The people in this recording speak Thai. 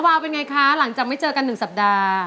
วาวเป็นไงคะหลังจากไม่เจอกัน๑สัปดาห์